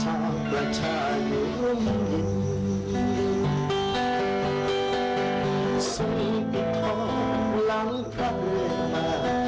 จากจากหั่วงี้จงห่วงหลังกดต่ออย่างยังไม่เหมาะ